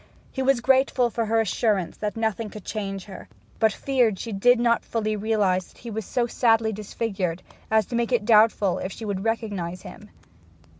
He was grateful for her assurance that nothing could change her; but feared she did not fully realize that he was so sadly disfigured as to make it doubtful if she would recognize him.